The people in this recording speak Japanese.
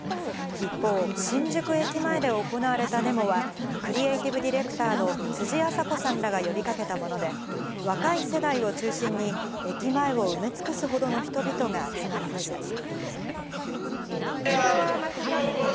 一方、新宿駅前で行われたデモは、クリエイティブディレクターの辻愛沙子さんらが呼びかけたもので、若い世代を中心に、駅前を埋め尽くすほどの人々が集まりました。